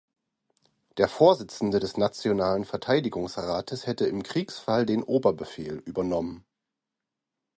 Der Vorsitzende des Nationalen Verteidigungsrates hätte im Kriegsfall den Oberbefehl übernommen.